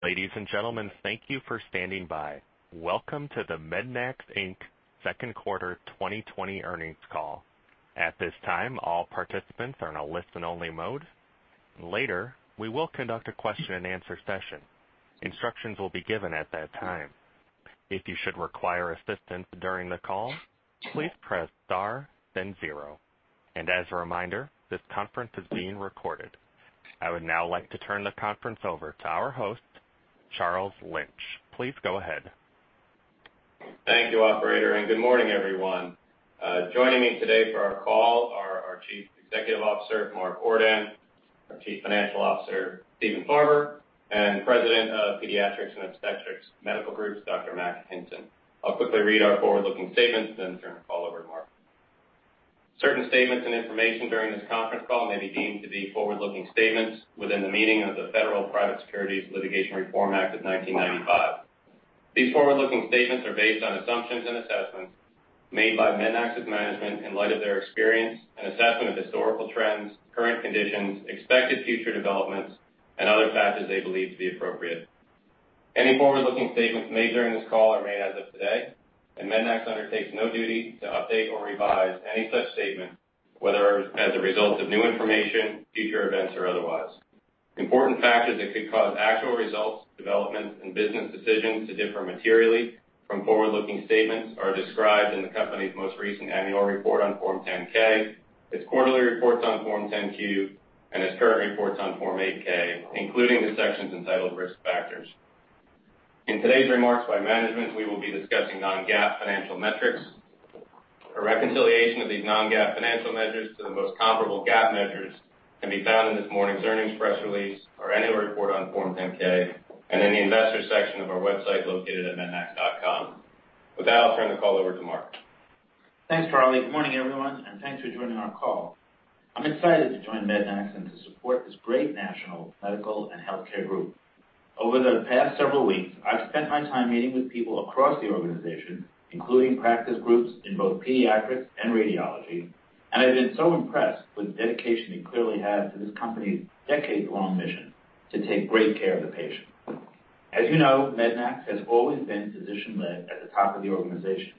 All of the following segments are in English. Ladies and gentlemen, thank you for standing by. Welcome to the MEDNAX Inc. Second Quarter 2020 Earnings Call. At this time, all participants are in a listen-only mode. Later, we will conduct a question and answer session. Instructions will be given at that time. If you should require assistance during the call, please press star then zero. As a reminder, this conference is being recorded. I would now like to turn the conference over to our host, Charles Lynch. Please go ahead. Thank you, operator, and good morning, everyone. Joining me today for our call are our Chief Executive Officer, Mark Ordan, our Chief Financial Officer, Stephen Farber, and President of pediatrics and obstetrics medical groups, Dr. Matt Hinton. I'll quickly read our forward-looking statements, then turn the call over to Mark. Certain statements and information during this conference call may be deemed to be forward-looking statements within the meaning of the Private Securities Litigation Reform Act of 1995. These forward-looking statements are based on assumptions and assessments made by MEDNAX's management in light of their experience and assessment of historical trends, current conditions, expected future developments, and other factors they believe to be appropriate. MEDNAX undertakes no duty to update or revise any such statement, whether as a result of new information, future events, or otherwise. Important factors that could cause actual results, developments, and business decisions to differ materially from forward-looking statements are described in the company's most recent annual report on Form 10-K, its quarterly reports on Form 10-Q, and its current reports on Form 8-K, including the sections entitled Risk Factors. In today's remarks by management, we will be discussing non-GAAP financial metrics. A reconciliation of these non-GAAP financial measures to the most comparable GAAP measures can be found in this morning's earnings press release, our annual report on Form 10-K, and in the Investors section of our website, located at mednax.com. With that, I'll turn the call over to Mark. Thanks, Charles. Good morning, everyone. Thanks for joining our call. I'm excited to join Mednax and to support this great national medical and healthcare group. Over the past several weeks, I've spent my time meeting with people across the organization, including practice groups in both pediatrics and radiology. I've been so impressed with the dedication they clearly have to this company's decades-long mission to take great care of the patient. As you know, Mednax has always been physician-led at the top of the organization.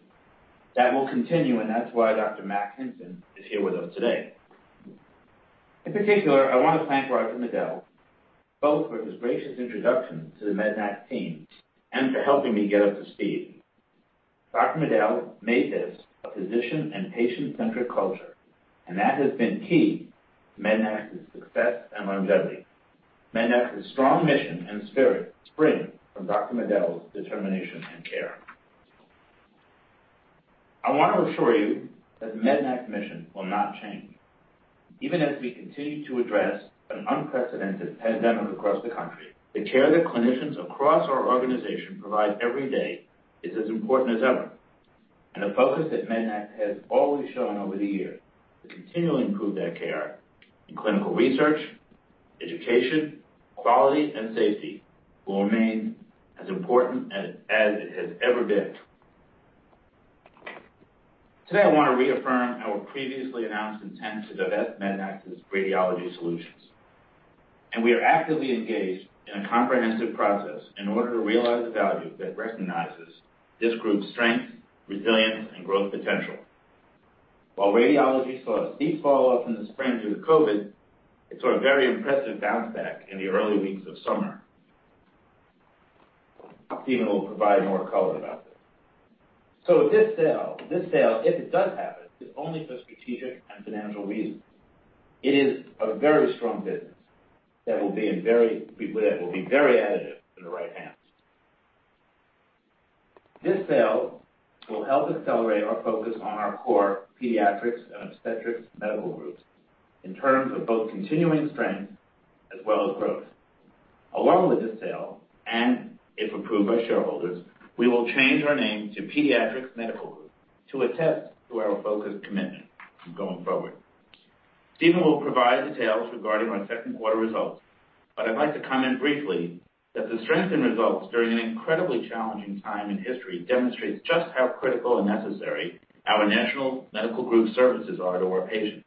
That will continue. That's why Dr. Matt Hinton is here with us today. In particular, I want to thank Roger Medel, both for his gracious introduction to the Mednax team and for helping me get up to speed. Dr. Medel made this a physician and patient-centric culture. That has been key to Mednax's success and longevity. MEDNAX strong mission and spirit spring from Dr. Medel's determination and care. I want to assure you that MEDNAX mission will not change. Even as we continue to address an unprecedented pandemic across the country, the care that clinicians across our organization provide every day is as important as ever. The focus that MEDNAX has always shown over the years to continually improve that care in clinical research, education, quality, and safety will remain as important as it has ever been. Today, I want to reaffirm our previously announced intent to divest MEDNAX radiology solutions. We are actively engaged in a comprehensive process in order to realize the value that recognizes this group's strength, resilience, and growth potential. While radiology saw a steep falloff in the spring due to COVID, it saw a very impressive bounce back in the early weeks of summer. Stephen will provide more color about this. This sale, if it does happen, is only for strategic and financial reasons. It is a very strong business that will be very additive in the right hands. This sale will help accelerate our focus on our core pediatrics and obstetrics medical groups in terms of both continuing strength as well as growth. Along with the sale, and if approved by shareholders, we will change our name to Pediatrix Medical Group to attest to our focused commitment going forward. Stephen will provide details regarding our second quarter results, but I'd like to comment briefly that the strength and results during an incredibly challenging time in history demonstrates just how critical and necessary our national medical group services are to our patients.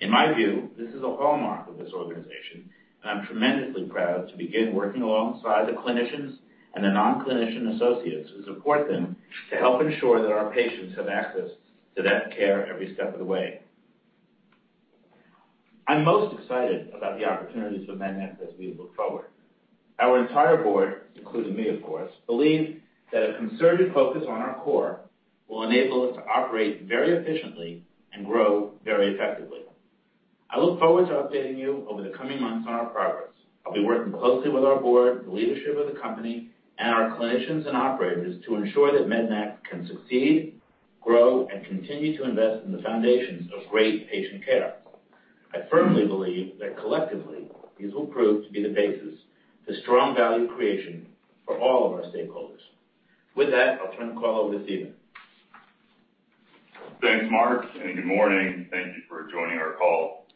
In my view, this is a hallmark of this organization, and I'm tremendously proud to begin working alongside the clinicians and the non-clinician associates who support them to help ensure that our patients have access to that care every step of the way. I'm most excited about the opportunities with Mednax as we look forward. Our entire board, including me, of course, believe that a concerted focus on our core will enable us to operate very efficiently and grow very effectively. I look forward to updating you over the coming months on our progress. I'll be working closely with our board, the leadership of the company, and our clinicians and operators to ensure that Mednax can succeed, grow, and continue to invest in the foundations of great patient care. I firmly believe that collectively, these will prove to be the basis for strong value creation for all of our stakeholders. With that, I'll turn the call over to Stephen. Thanks, Mark. Good morning. Thank you for joining our call.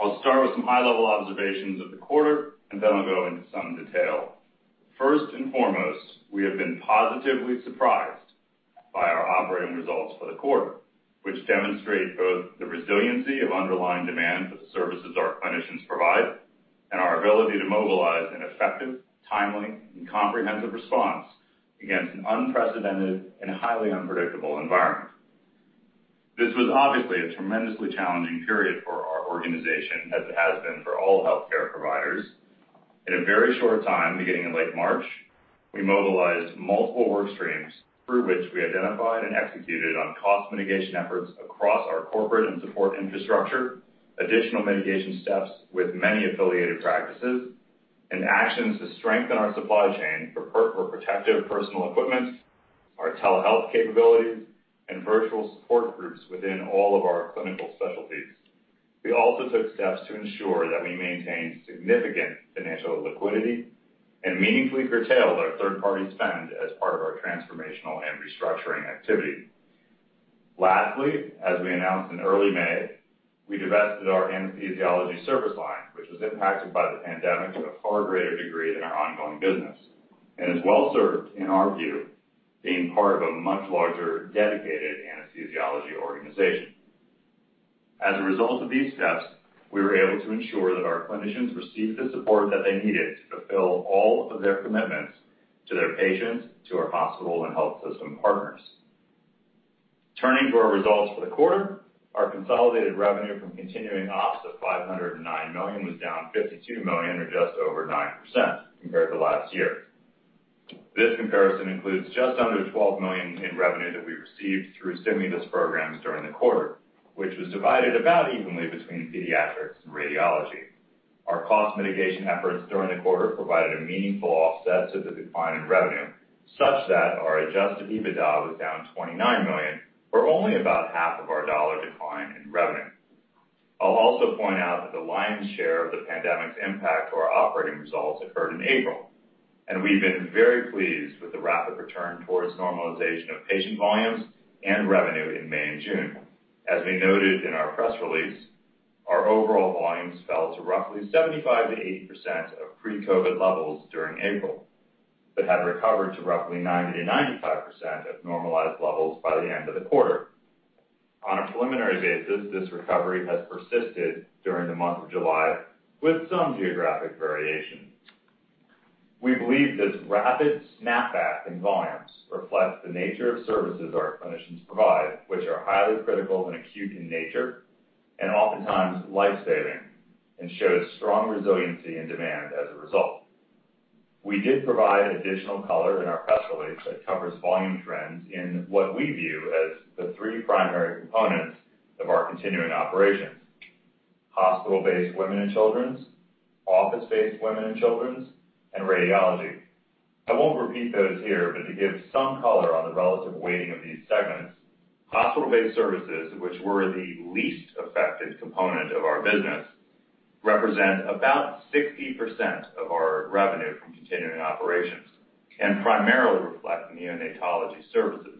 I'll start with some high-level observations of the quarter. I'll go into some detail. First and foremost, we have been positively surprised By our operating results for the quarter, which demonstrate both the resiliency of underlying demand for the services our clinicians provide and our ability to mobilize an effective, timely, and comprehensive response against an unprecedented and highly unpredictable environment. This was obviously a tremendously challenging period for our organization, as it has been for all healthcare providers. In a very short time, beginning in late March, we mobilized multiple work streams through which we identified and executed on cost mitigation efforts across our corporate and support infrastructure, additional mitigation steps with many affiliated practices, and actions to strengthen our supply chain for protective personal equipment, our telehealth capabilities, and virtual support groups within all of our clinical specialties. We also took steps to ensure that we maintained significant financial liquidity and meaningfully curtailed our third-party spend as part of our transformational and restructuring activity. Lastly, as we announced in early May, we divested our anesthesiology service line, which was impacted by the pandemic to a far greater degree than our ongoing business, and is well-served, in our view, being part of a much larger, dedicated anesthesiology organization. As a result of these steps, we were able to ensure that our clinicians received the support that they needed to fulfill all of their commitments to their patients, to our hospital and health system partners. Turning to our results for the quarter, our consolidated revenue from continuing ops of $509 million was down $52 million or just over 9% compared to last year. This comparison includes just under $12 million in revenue that we received through stimulus programs during the quarter, which was divided about evenly between pediatrics and radiology. Our cost mitigation efforts during the quarter provided a meaningful offset to the decline in revenue, such that our adjusted EBITDA was down $29 million, or only about half of our dollar decline in revenue. We've been very pleased with the rapid return towards normalization of patient volumes and revenue in May and June. As we noted in our press release, our overall volumes fell to roughly 75%-80% of pre-COVID levels during April, but have recovered to roughly 90%-95% of normalized levels by the end of the quarter. On a preliminary basis, this recovery has persisted during the month of July, with some geographic variation. We believe this rapid snap back in volumes reflects the nature of services our clinicians provide, which are highly critical and acute in nature, and oftentimes life-saving, and showed strong resiliency in demand as a result. We did provide additional color in our press release that covers volume trends in what we view as the three primary components of our continuing operations: hospital-based women and children's, office-based women and children's, and radiology. I won't repeat those here, but to give some color on the relative weighting of these segments, hospital-based services, which were the least affected component of our business, represent about 60% of our revenue from continuing operations and primarily reflect neonatology services.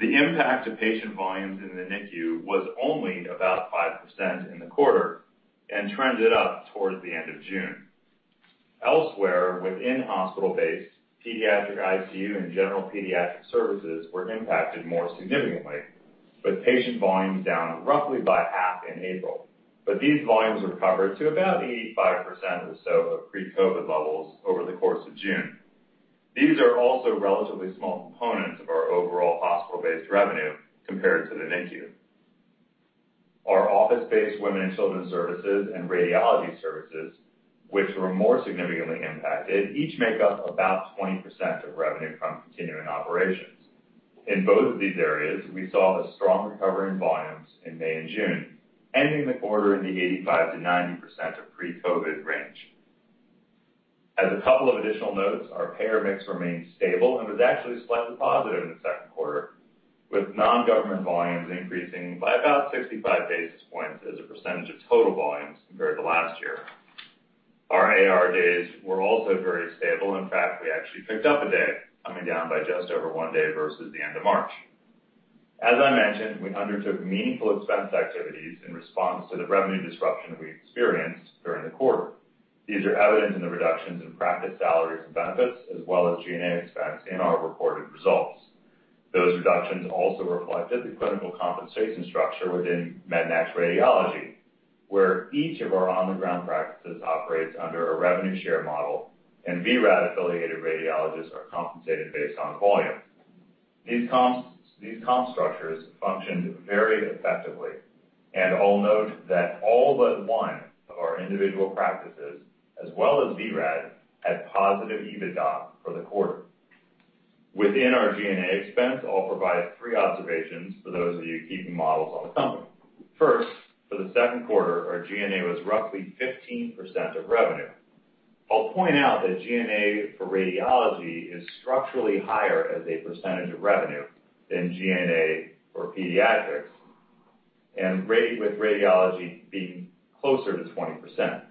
The impact to patient volumes in the NICU was only about 5% in the quarter and trended up towards the end of June. Within hospital-based pediatric ICU and general pediatric services were impacted more significantly, with patient volumes down roughly by half in April. These volumes recovered to about 85% or so of pre-COVID levels over the course of June. These are also relatively small components of our overall hospital-based revenue compared to the NICU. Our office-based women and children's services and radiology services, which were more significantly impacted, each make up about 20% of revenue from continuing operations. In both of these areas, we saw a strong recovery in volumes in May and June, ending the quarter in the 85%-90% of pre-COVID range. As a couple of additional notes, our payer mix remained stable and was actually slightly positive in the second quarter, with non-government volumes increasing by about 65 basis points as a percentage of total volumes compared to last year. Our AR days were also very stable. In fact, we actually picked up a day, coming down by just over one day versus the end of March. As I mentioned, we undertook meaningful expense activities in response to the revenue disruption we experienced during the quarter. These are evident in the reductions in practice salaries and benefits, as well as G&A expense in our reported results. Those reductions also reflect the clinical compensation structure within MEDNAX Radiology, where each of our on-the-ground practices operates under a revenue share model, and vRad-affiliated radiologists are compensated based on volume. These comp structures functioned very effectively. I'll note that all but one of our individual practices, as well as vRad, had positive EBITDA for the quarter. Within our G&A expense, I'll provide three observations for those of you keeping models on the company. First, for the second quarter, our G&A was roughly 15% of revenue. I'll point out that G&A for radiology is structurally higher as a percentage of revenue than G&A for pediatrics, and with radiology being closer to 20%.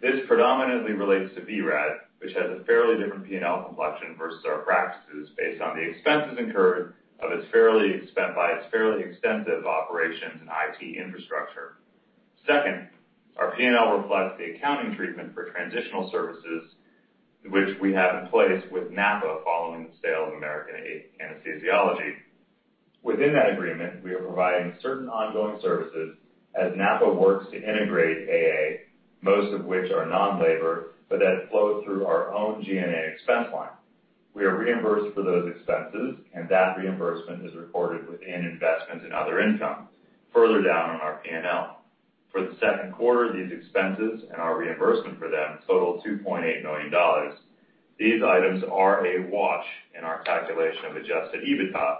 This predominantly relates to vRad, which has a fairly different P&L complexion versus our practices based on the expenses incurred by its fairly extensive operations and IT infrastructure. Second, our P&L reflects the accounting treatment for transitional services, which we have in place with NAPA following the sale of American Anesthesiology. Within that agreement, we are providing certain ongoing services as NAPA works to integrate AA, most of which are non-labor, but that flow through our own G&A expense line. We are reimbursed for those expenses, and that reimbursement is recorded within investments in other income further down on our P&L. For the second quarter, these expenses and our reimbursement for them totaled $2.8 million. These items are a watch in our calculation of adjusted EBITDA,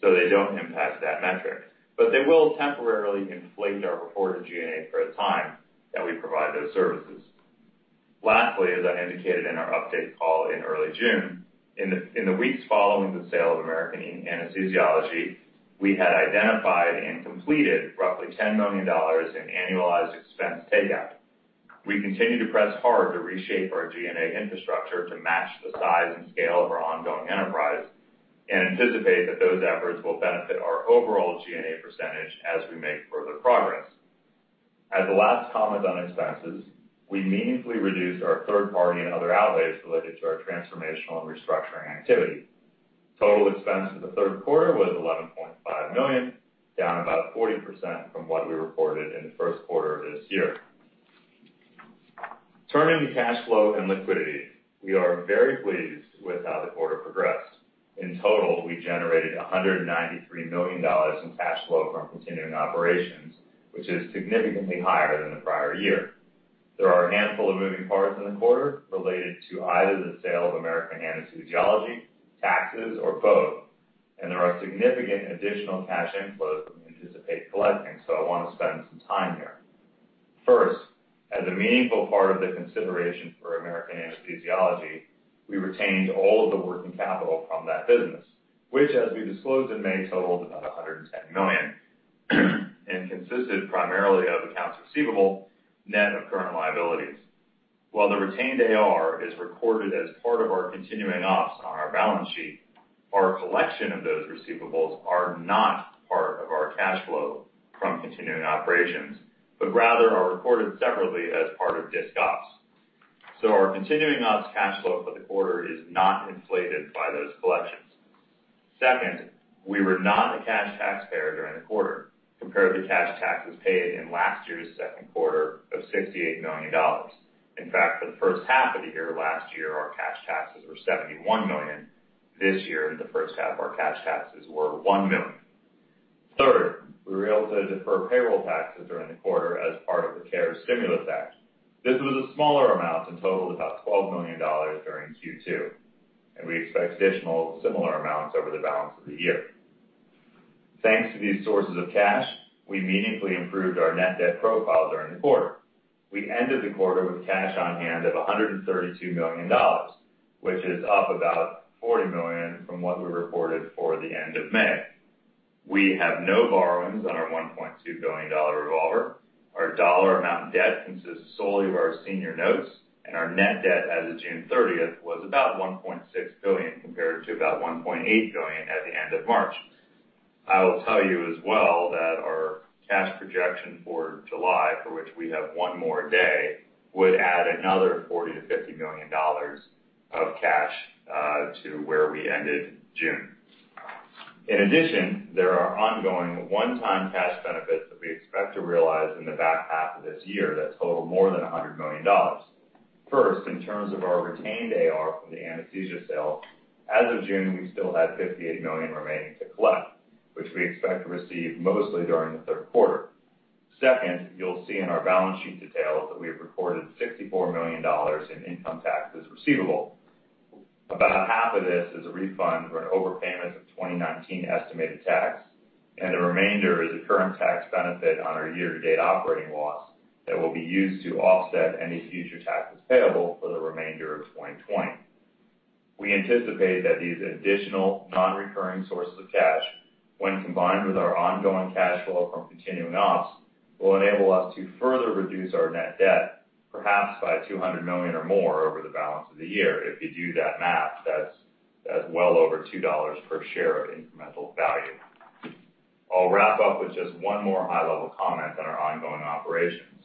they don't impact that metric. They will temporarily inflate our reported G&A for the time that we provide those services. As I indicated in our update call in early June, in the weeks following the sale of American Anesthesiology, we had identified and completed roughly $10 million in annualized expense takeouts. We continue to press hard to reshape our G&A infrastructure to match the size and scale of our ongoing enterprise and anticipate that those efforts will benefit our overall G&A percentage as we make further progress. As a last comment on expenses, we meaningfully reduced our third party and other outlays related to our transformational and restructuring activity. Total expense for the third quarter was $11.5 million, down about 40% from what we reported in the first quarter of this year. Turning to cash flow and liquidity, we are very pleased with how the quarter progressed. In total, we generated $193 million in cash flow from continuing operations, which is significantly higher than the prior year. There are a handful of moving parts in the quarter related to either the sale of American Anesthesiology, taxes, or both, and there are significant additional cash inflows we anticipate collecting, so I want to spend some time here. First, as a meaningful part of the consideration for American Anesthesiology, we retained all of the working capital from that business, which as we disclosed in May, totaled about $110 million and consisted primarily of accounts receivable, net of current liabilities. While the retained AR is recorded as part of our continuing ops on our balance sheet, our collection of those receivables are not part of our cash flow from continuing operations, but rather are recorded separately as part of disc ops. Our continuing ops cash flow for the quarter is not inflated by those collections. Second, we were not a cash taxpayer during the quarter compared to cash taxes paid in last year's second quarter of $68 million. In fact, for the first half of the year, last year, our cash taxes were $71 million. This year in the first half, our cash taxes were $1 million. Third, we were able to defer payroll taxes during the quarter as part of the CARES stimulus Act. This was a smaller amount and totaled about $12 million during Q2, and we expect additional similar amounts over the balance of the year. Thanks to these sources of cash, we meaningfully improved our net debt profile during the quarter. We ended the quarter with cash on hand of $132 million, which is up about $40 million from what we reported for the end of May. We have no borrowings on our $1.2 billion revolver. Our dollar amount debt consists solely of our senior notes, and our net debt as of June 30th was about $1.6 billion, compared to about $1.8 billion at the end of March. I will tell you as well that our cash projection for July, for which we have one more day, would add another $40 to $50 million of cash to where we ended June. In addition, there are ongoing one-time cash benefits that we expect to realize in the back half of this year that total more than $100 million. In terms of our retained AR from the anesthesia sale, as of June, we still had $58 million remaining to collect, which we expect to receive mostly during the third quarter. You'll see in our balance sheet details that we have recorded $64 million in income taxes receivable. About half of this is a refund for an overpayment of 2019 estimated tax, and the remainder is a current tax benefit on our year-to-date operating loss that will be used to offset any future taxes payable for the remainder of 2020. We anticipate that these additional non-recurring sources of cash, when combined with our ongoing cash flow from continuing ops, will enable us to further reduce our net debt, perhaps by $200 million or more over the balance of the year. If you do that math, that's well over $2 per share of incremental value. I'll wrap up with just one more high-level comment on our ongoing operations.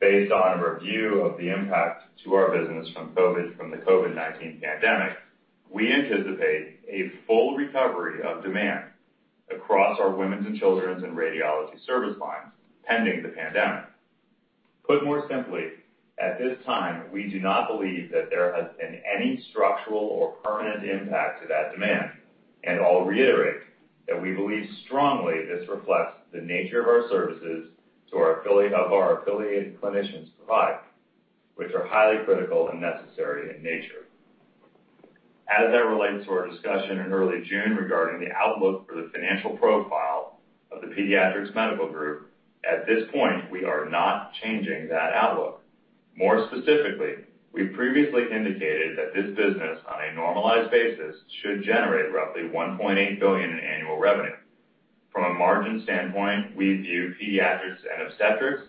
Based on a review of the impact to our business from the COVID-19 pandemic, we anticipate a full recovery of demand across our women's and children's and radiology service lines pending the pandemic. Put more simply, at this time, we do not believe that there has been any structural or permanent impact to that demand, and I'll reiterate that we believe strongly this reflects the nature of our services of our affiliated clinicians provide, which are highly critical and necessary in nature. As that relates to our discussion in early June regarding the outlook for the financial profile of the Pediatrix Medical Group, at this point, we are not changing that outlook. More specifically, we previously indicated that this business, on a normalized basis, should generate roughly $1.8 billion in annual revenue. From a margin standpoint, we view pediatrics and obstetrics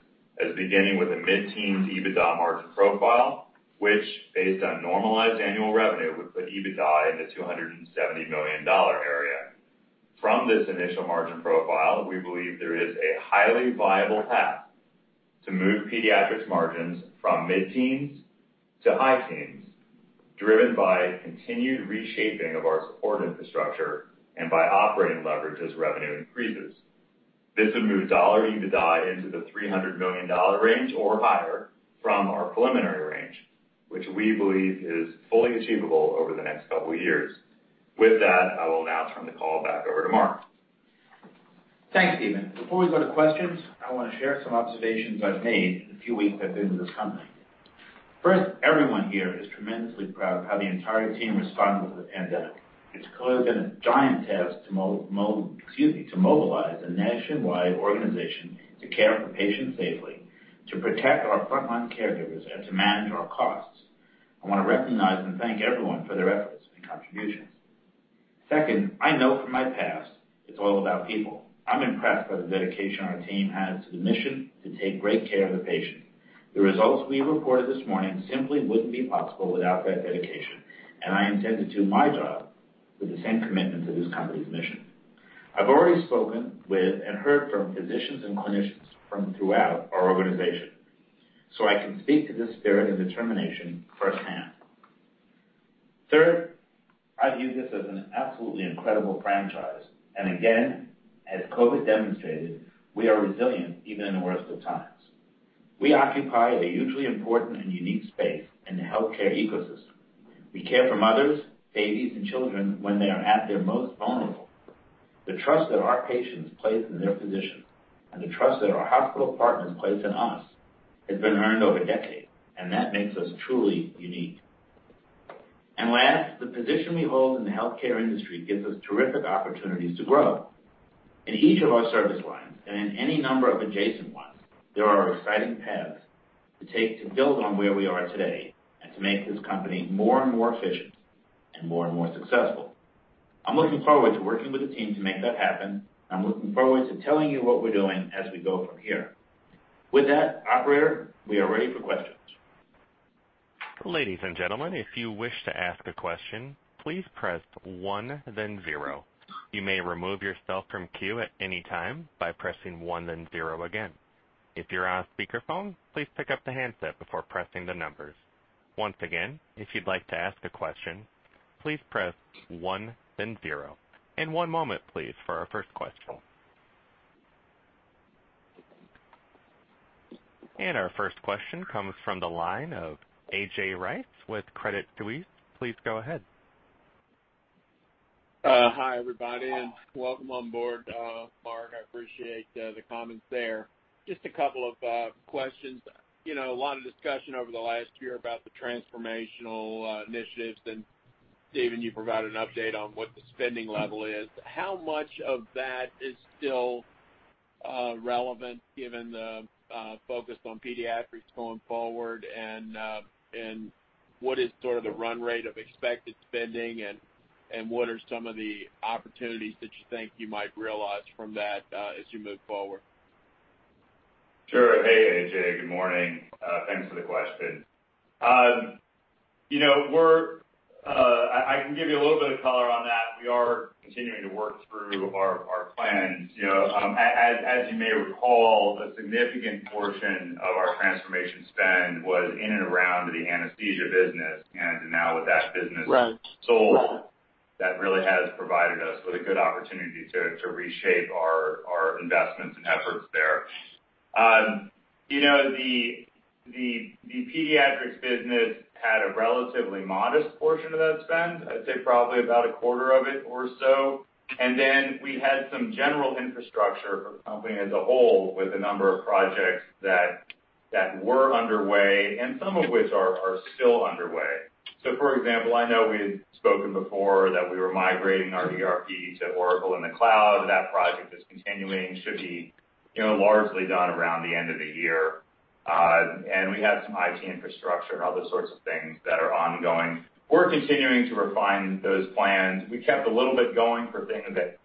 as beginning with a mid-teen EBITDA margin profile, which based on normalized annual revenue, would put EBITDA in the $270 million area. From this initial margin profile, we believe there is a highly viable path to move pediatrics margins from mid-teens to high teens, driven by continued reshaping of our support infrastructure and by operating leverage as revenue increases. This would move dollar EBITDA into the $300 million range or higher from our preliminary range, which we believe is fully achievable over the next couple of years. With that, I will now turn the call back over to Mark. Thanks, Stephen. Before we go to questions, I want to share some observations I've made in the few weeks I've been with this company. First, everyone here is tremendously proud of how the entire team responded to the pandemic. It's clearly been a giant task to mobilize a nationwide organization to care for patients safely, to protect our frontline caregivers, and to manage our costs. I want to recognize and thank everyone for their efforts and contributions. Second, I know from my past, it's all about people. I'm impressed by the dedication our team has to the mission to take great care of the patient. The results we reported this morning simply wouldn't be possible without that dedication, and I intend to do my job with the same commitment to this company's mission. I've already spoken with and heard from physicians and clinicians from throughout our organization, so I can speak to the spirit and determination firsthand. Third, I view this as an absolutely incredible franchise, and again, as COVID demonstrated, we are resilient even in the worst of times. We occupy a hugely important and unique space in the healthcare ecosystem. We care for mothers, babies, and children when they are at their most vulnerable. The trust that our patients place in their physicians and the trust that our hospital partners place in us has been earned over decades, and that makes us truly unique. Last, the position we hold in the healthcare industry gives us terrific opportunities to grow. In each of our service lines, and in any number of adjacent ones, there are exciting paths to take to build on where we are today and to make this company more and more efficient and more and more successful. I'm looking forward to working with the team to make that happen. I'm looking forward to telling you what we're doing as we go from here. With that, operator, we are ready for questions. Ladies and gentlemen, if you wish to ask a question, please press one then zero. You may remove yourself from queue at any time by pressing one then zero again. If you're on speakerphone, please pick up the handset before pressing the numbers. Once again, if you'd like to ask a question, please press one then zero. One moment, please, for our first question. Our first question comes from the line of A.J. Rice with Credit Suisse. Please go ahead. Hi, everybody, and welcome on board, Mark. I appreciate the comments there. Just a couple of questions. A lot of discussion over the last year about the transformational initiatives. Stephen, you provided an update on what the spending level is. How much of that is still relevant given the focus on pediatrics going forward? What is sort of the run rate of expected spending? What are some of the opportunities that you think you might realize from that as you move forward? Sure. Hey, A.J., good morning. Thanks for the question. I can give you a little bit of color on that. We are continuing to work through our plans. As you may recall, the significant portion of our transformation spend was in and around the anesthesia business, and now with that business. Right Sold, that really has provided us with a good opportunity to reshape our investments and efforts there. The Pediatrix business had a relatively modest portion of that spend. I'd say probably about a quarter of it or so. We had some general infrastructure for the company as a whole with a number of projects that were underway, and some of which are still underway. For example, I know we had spoken before that we were migrating our ERP to Oracle in the cloud. That project is continuing. Should be largely done around the end of the year. We have some IT infrastructure and other sorts of things that are ongoing. We're continuing to refine those plans. We kept a little bit going for things that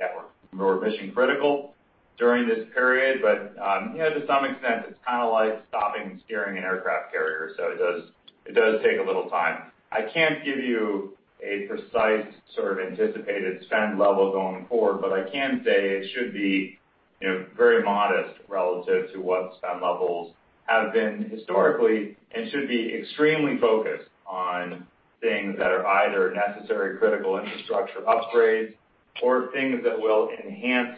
were mission-critical during this period. To some extent, it's like stopping and steering an aircraft carrier, so it does take a little time. I can't give you a precise sort of anticipated spend level going forward, but I can say it should be very modest relative to what spend levels have been historically and should be extremely focused on things that are either necessary critical infrastructure upgrades or things that will enhance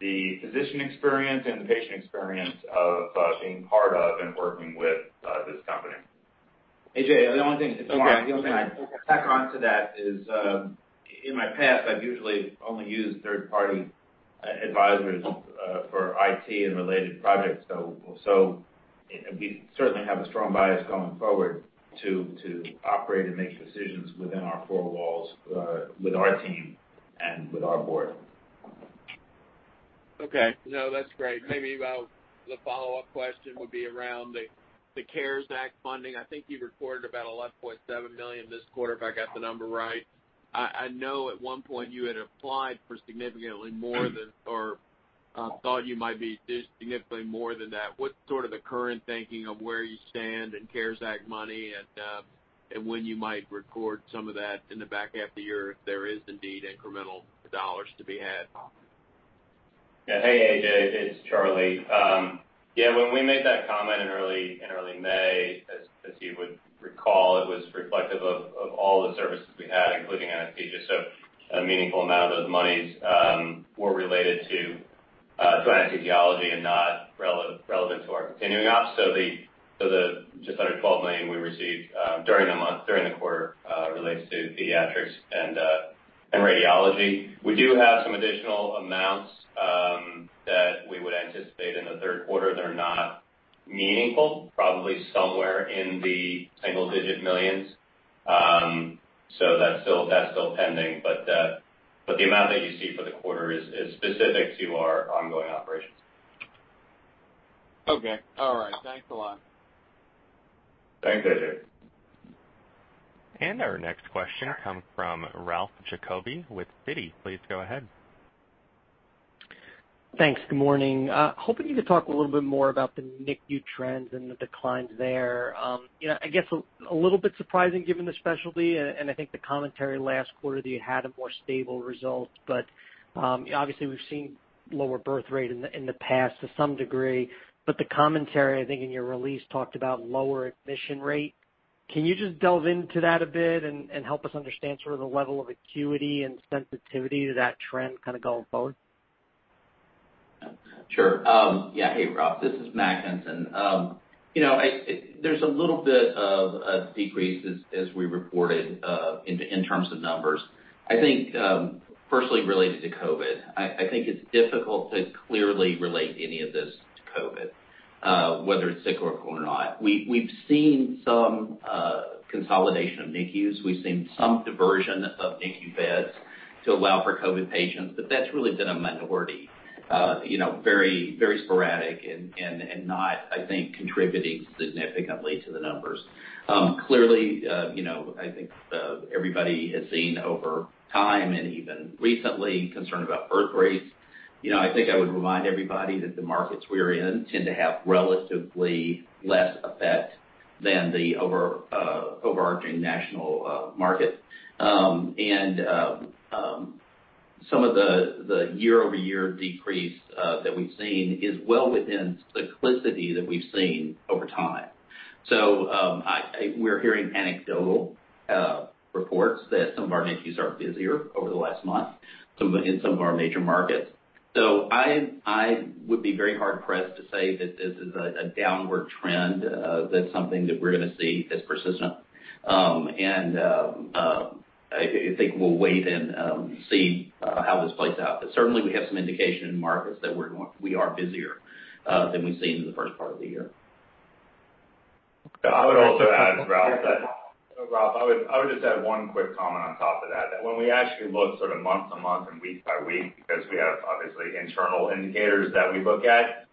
the physician experience and the patient experience of being part of and working with this company. A.J. Okay To tack on to that is, in my past, I've usually only used third-party advisors for IT and related projects. We certainly have a strong bias going forward to operate and make decisions within our four walls with our team and with our board. Okay. No, that's great. Maybe the follow-up question would be around the CARES Act funding. I think you reported about $11.7 million this quarter, if I got the number right. I know at one point you had applied for significantly more than I thought you might be significantly more than that. What's sort of the current thinking of where you stand in CARES Act money and when you might record some of that in the back half of the year, if there is indeed incremental dollars to be had? Hey, A.J., it's Charlie. When we made that comment in early May, as you would recall, it was reflective of all the services we had, including anesthesia. A meaningful amount of those monies were related to anesthesiology and not relevant to our continuing ops. The just under $12 million we received during the month, during the quarter, relates to pediatrics and radiology. We do have some additional amounts that we would anticipate in the third quarter that are not meaningful, probably somewhere in the single-digit millions. That's still pending, but the amount that you see for the quarter is specific to our ongoing operations. Okay. All right. Thanks a lot. Thanks, AJ. Our next question comes from Ralph Giacobbe with Citi. Please go ahead. Thanks. Good morning. Hoping you could talk a little bit more about the NICU trends and the declines there. I guess a little bit surprising given the specialty, and I think the commentary last quarter that you had a more stable result, but obviously we've seen lower birth rate in the past to some degree. The commentary, I think, in your release talked about lower admission rate. Can you just delve into that a bit and help us understand sort of the level of acuity and sensitivity to that trend kind of going forward? Sure. Hey, Ralph. This is Matt Hinton. There's a little bit of a decrease as we reported in terms of numbers. I think, firstly related to COVID. I think it's difficult to clearly relate any of this to COVID, whether it's cyclical or not. We've seen some consolidation of NICUs. We've seen some diversion of NICU beds to allow for COVID patients, but that's really been a minority. Very sporadic and not, I think, contributing significantly to the numbers. Clearly, I think everybody has seen over time, and even recently, concern about birth rates. I think I would remind everybody that the markets we're in tend to have relatively less effect than the overarching national market. Some of the year-over-year decrease that we've seen is well within the cyclicity that we've seen over time. We're hearing anecdotal reports that some of our NICUs are busier over the last month in some of our major markets. I would be very hard-pressed to say that this is a downward trend, that's something that we're going to see as persistent. I think we'll wait and see how this plays out. Certainly, we have some indication in markets that we are busier than we've seen in the first part of the year. I would also add, Ralph, that I would just add one quick comment on top of that when we actually look sort of month-to-month and week-by-week, because we have obviously internal indicators that we look at,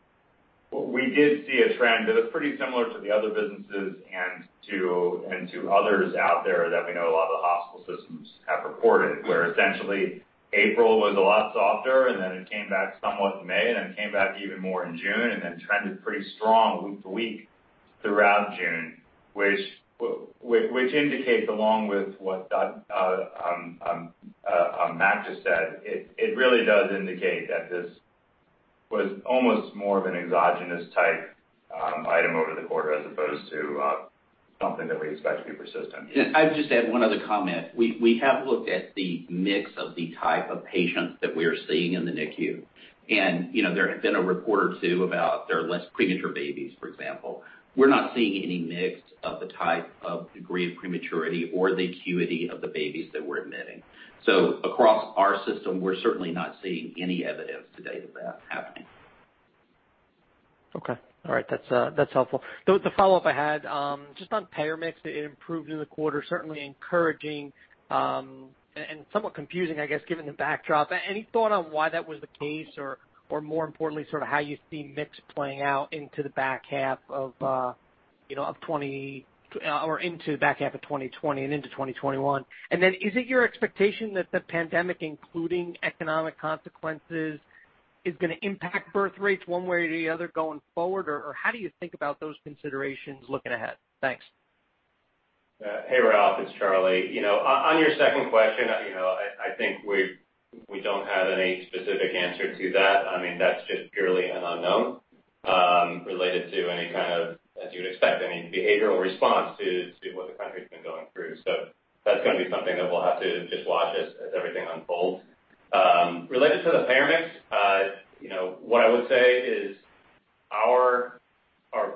we did see a trend that was pretty similar to the other businesses and to others out there that we know a lot of the hospital systems have reported, where essentially April was a lot softer, and then it came back somewhat in May, and then it came back even more in June, and then trended pretty strong week-to-week throughout June. It indicates, along with what Matt just said, it really does indicate that this was almost more of an exogenous type item over the quarter as opposed to something that we expect to be persistent. I'd just add one other comment. We have looked at the mix of the type of patients that we're seeing in the NICU. There have been a report or two about there are less premature babies, for example. We're not seeing any mix of the type of degree of prematurity or the acuity of the babies that we're admitting. Across our system, we're certainly not seeing any evidence to date of that happening. Okay. All right. That's helpful. The follow-up I had, just on payer mix, it improved in the quarter, certainly encouraging and somewhat confusing, I guess, given the backdrop. Any thought on why that was the case or more importantly, sort of how you see mix playing out into the back half of 2020 and into 2021? Is it your expectation that the pandemic, including economic consequences, is going to impact birth rates one way or the other going forward? How do you think about those considerations looking ahead? Thanks. Hey, Ralph, it's Charlie. Your second question, I think we don't have any specific answer to that. That's just purely an unknown related to any kind of, as you would expect, any behavioral response to what the country's been going through. That's going to be something that we'll have to just watch as everything unfolds. Related to the payer mix, what I would say is our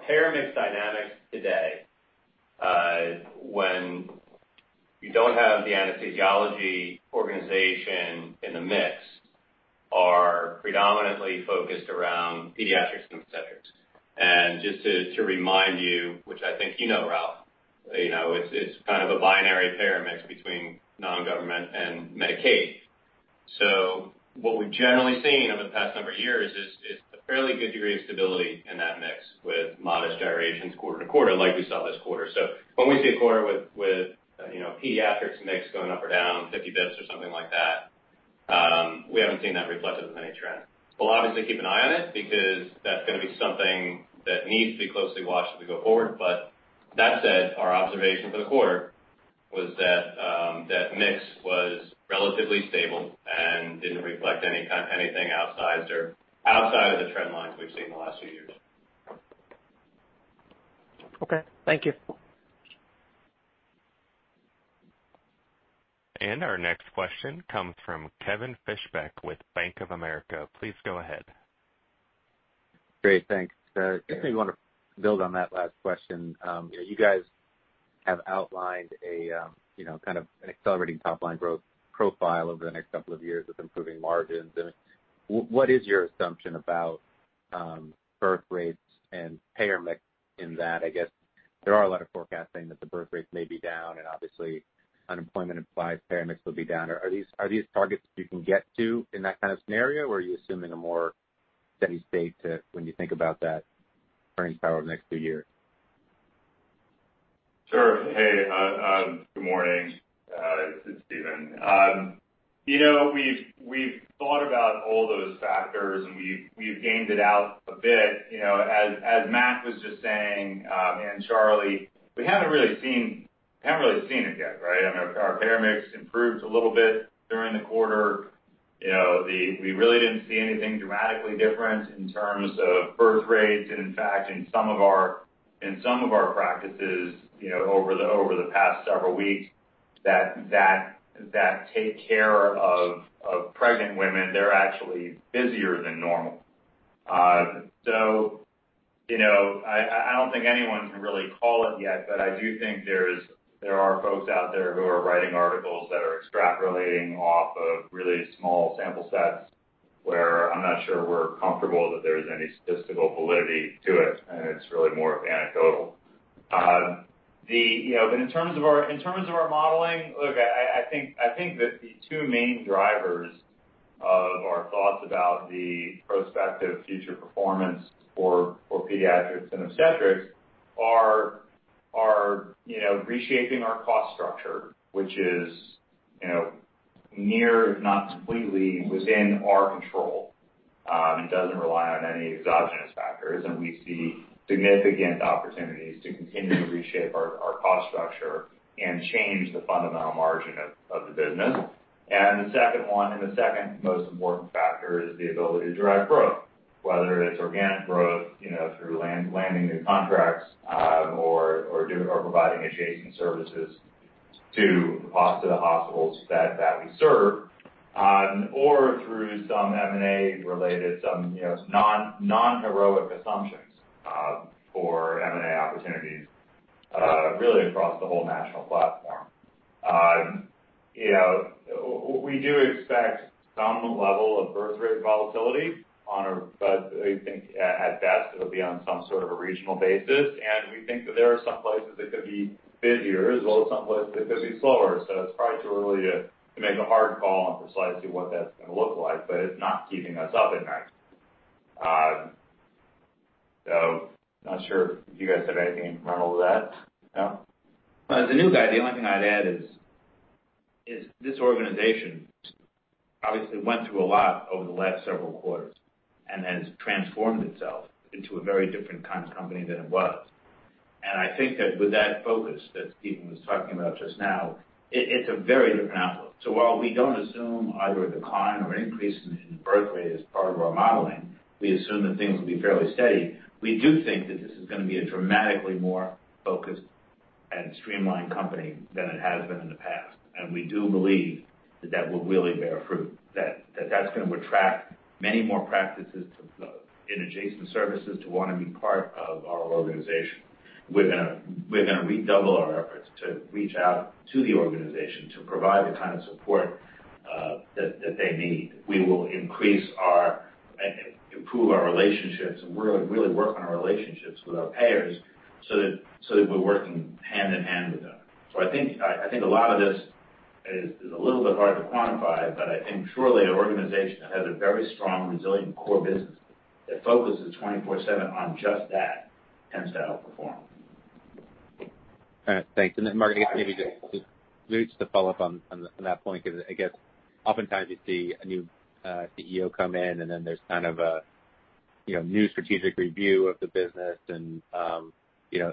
payer mix dynamics today, when you don't have the anesthesiology organization in the mix, are predominantly focused around pediatrics and obstetrics. Just to remind you, which I think you know, Ralph, it's kind of a binary payer mix between non-government and Medicaid. What we've generally seen over the past number of years is a fairly good degree of stability in that mix with modest gyrations quarter to quarter like we saw this quarter. When we see a quarter with pediatrics mix going up or down 50 basis points or something like that. We haven't seen that reflected in any trend. We'll obviously keep an eye on it because that's going to be something that needs to be closely watched as we go forward. That said, our observation for the quarter was that mix was relatively stable and didn't reflect anything outside of the trend lines we've seen in the last few years. Okay. Thank you. Our next question comes from Kevin Fischbeck with Bank of America. Please go ahead. Great. Thanks. Just want to build on that last question. You guys have outlined a kind of an accelerating top-line growth profile over the next couple of years with improving margins. What is your assumption about birth rates and payer mix in that? I guess there are a lot of forecasts saying that the birth rates may be down, and obviously unemployment implies payer mix will be down. Are these targets that you can get to in that kind of scenario, or are you assuming a more steady state to when you think about that earning power over the next few years? Sure. Hey, good morning. It's Stephen. We've thought about all those factors, and we've gamed it out a bit. As Matt was just saying, and Charlie, we haven't really seen it yet, right? I mean, our payer mix improved a little bit during the quarter. We really didn't see anything dramatically different in terms of birth rates. In fact, in some of our practices, over the past several weeks that take care of pregnant women, they're actually busier than normal. I don't think anyone can really call it yet, but I do think there are folks out there who are writing articles that are extrapolating off of really small sample sets, where I'm not sure we're comfortable that there's any statistical validity to it, and it's really more anecdotal. In terms of our modeling, look, I think that the two main drivers of our thoughts about the prospective future performance for Pediatrix and Obstetrix are reshaping our cost structure, which is near, if not completely within our control. It doesn't rely on any exogenous factors, and we see significant opportunities to continue to reshape our cost structure and change the fundamental margin of the business. The second one, and the second most important factor is the ability to drive growth, whether it's organic growth through landing new contracts, or providing adjacent services to the hospitals that we serve, or through some M&A-related, some non-heroic assumptions for M&A opportunities really across the whole national platform. We do expect some level of birth rate volatility on our, but we think at best it'll be on some sort of a regional basis, and we think that there are some places that could be busier, as well as some places that could be slower. It's probably too early to make a hard call on precisely what that's going to look like, but it's not keeping us up at night. Not sure if you guys have anything, Mark Ordan, to that. No. As a new guy, the only thing I'd add is this organization obviously went through a lot over the last several quarters and has transformed itself into a very different kind of company than it was. I think that with that focus that Stephen was talking about just now, it's a very different outlook. While we don't assume either a decline or an increase in the birth rate as part of our modeling, we assume that things will be fairly steady. We do think that this is going to be a dramatically more focused and streamlined company than it has been in the past, and we do believe that that will really bear fruit, that that's going to attract many more practices in adjacent services to want to be part of our organization. We're going to redouble our efforts to reach out to the organization to provide the kind of support that they need. We will improve our relationships and really work on our relationships with our payers that we're working hand in hand with them. I think a lot of this is a little bit hard to quantify, but I think surely an organization that has a very strong, resilient core business that focuses 24/7 on just that tends to outperform. All right. Thanks. Mark, maybe just to follow up on that point, because I guess oftentimes you see a new CEO come in, and then there's kind of a new strategic review of the business.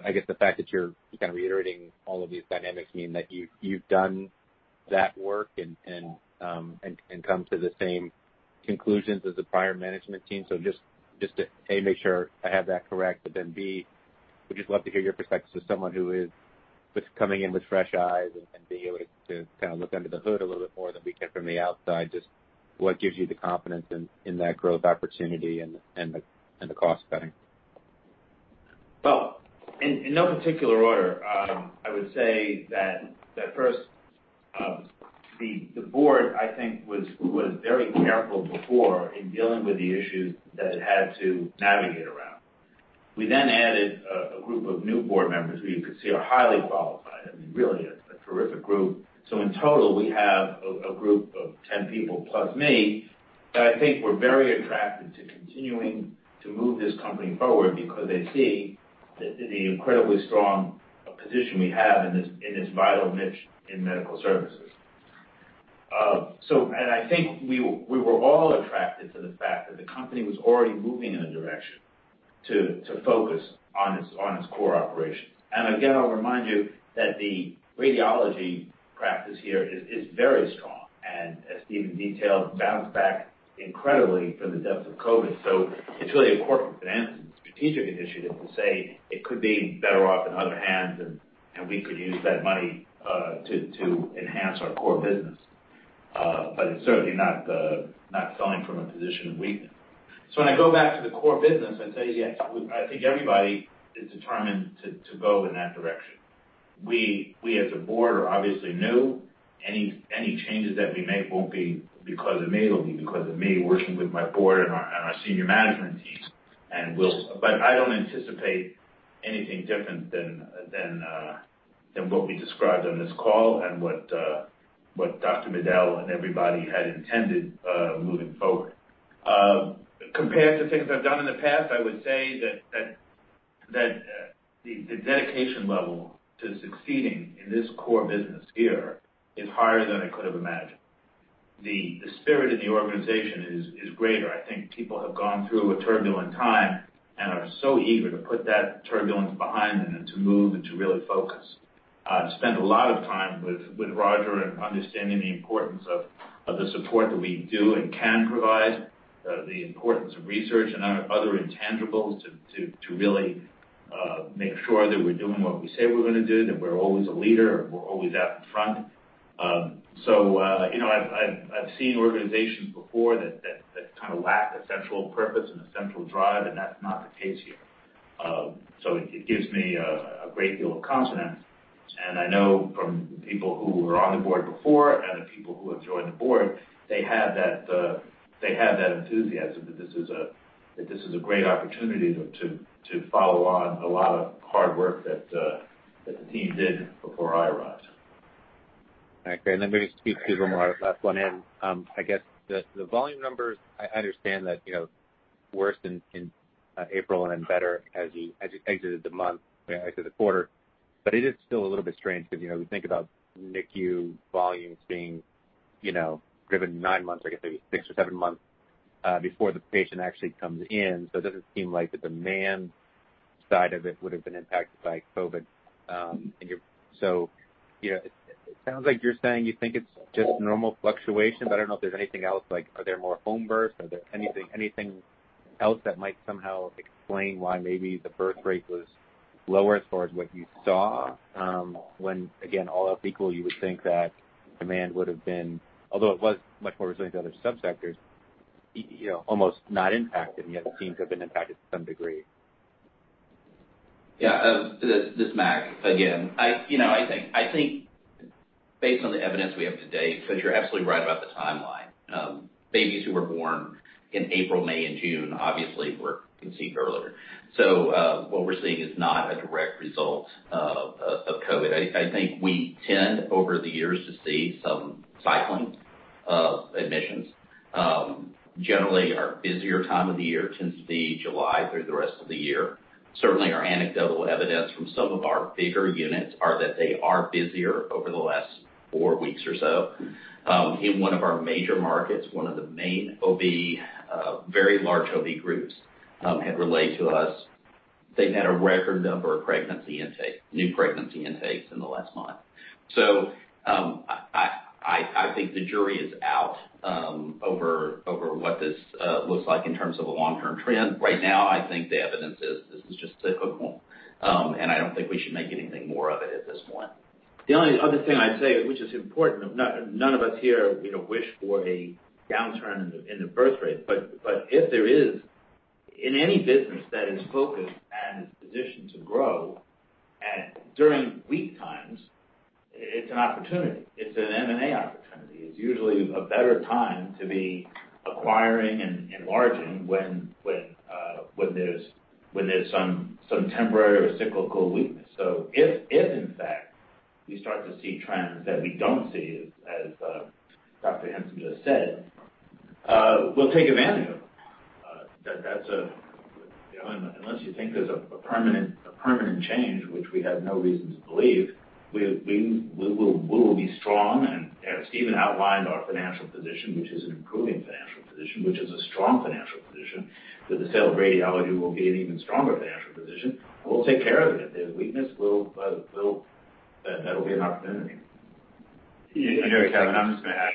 I guess the fact that you're kind of reiterating all of these dynamics mean that you've done that work and come to the same conclusions as the prior management team. Just to, A, make sure I have that correct, but then, B, would just love to hear your perspective as someone who is coming in with fresh eyes and being able to kind of look under the hood a little bit more than we can from the outside. Just what gives you the confidence in that growth opportunity and the cost cutting? Well, in no particular order, I would say that first, the board, I think was very careful before in dealing with the issues that it had to navigate around. We added a group of new board members who you could see are highly qualified and really a terrific group. In total, we have a group of 10 people plus me. I think we're very attracted to continuing to move this company forward because they see the incredibly strong position we have in this vital niche in medical services. I think we were all attracted to the fact that the company was already moving in a direction to focus on its core operations. Again, I'll remind you that the radiology practice here is very strong and, as Stephen detailed, bounced back incredibly from the depths of COVID. It's really an important financial and strategic initiative to say it could be better off in other hands, and we could use that money to enhance our core business. It's certainly not selling from a position of weakness. When I go back to the core business, I tell you, I think everybody is determined to go in that direction. We, as a board, are obviously new. Any changes that we make won't be because of me, it'll be because of me working with my board and our senior management team. I don't anticipate anything different than what we described on this call and what Dr. Medel and everybody had intended moving forward. Compared to things I've done in the past, I would say that the dedication level to succeeding in this core business here is higher than I could have imagined. The spirit of the organization is greater. I think people have gone through a turbulent time and are so eager to put that turbulence behind them and to move and to really focus. I've spent a lot of time with Roger and understanding the importance of the support that we do and can provide, the importance of research and other intangibles to really make sure that we're doing what we say we're going to do, that we're always a leader, and we're always out in front. I've seen organizations before that kind of lack a central purpose and a central drive, and that's not the case here. It gives me a great deal of confidence, and I know from the people who were on the board before and the people who have joined the board, they have that enthusiasm that this is a great opportunity to follow on a lot of hard work that the team did before I arrived. Okay. Maybe just two more. Last one in. I guess the volume numbers, I understand that worse in April and then better as you exited the month, exited the quarter. It is still a little bit strange because we think about NICU volumes being driven nine months, I guess maybe six or seven months, before the patient actually comes in. It doesn't seem like the demand side of it would've been impacted by COVID. It sounds like you're saying you think it's just normal fluctuations. I don't know if there's anything else, like are there more home births? Are there anything else that might somehow explain why maybe the birth rate was lower as far as what you saw, when again, all else equal, you would think that demand would've been Although it was much more resilient to other sub-sectors, almost not impacted, and yet it seems to have been impacted to some degree? Yeah. This is Matt again. I think based on the evidence we have to date, because you're absolutely right about the timeline. Babies who were born in April, May, and June obviously were conceived earlier. What we're seeing is not a direct result of COVID. I think we tend, over the years, to see some cycling of admissions. Generally, our busier time of the year tends to be July through the rest of the year. Certainly our anecdotal evidence from some of our bigger units are that they are busier over the last four weeks or so. In one of our major markets, one of the main OB, very large OB groups, had relayed to us they'd had a record number of new pregnancy intakes in the last month. I think the jury is out over what this looks like in terms of a long-term trend. Right now, I think the evidence is this is just cyclical, and I don't think we should make anything more of it at this point. The only other thing I'd say, which is important, none of us here wish for a downturn in the birthrate. If there is, in any business that is focused and is positioned to grow during weak times, it's an opportunity. It's an M&A opportunity. It's usually a better time to be acquiring and enlarging when there's some temporary or cyclical weakness. If in fact we start to see trends that we don't see, as Dr. Hinton just said, we'll take advantage of them. Unless you think there's a permanent change, which we have no reason to believe, we will be strong and as Stephen outlined, our financial position, which is an improving financial position, which is a strong financial position, with the sale of radiology, we'll be in an even stronger financial position. We'll take care of it. If there's weakness, that'll be an opportunity. Kevin, I'm just going to add